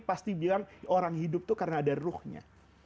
pasti bilang orang hidup itu karena ada ruhnya